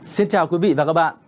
xin chào quý vị và các bạn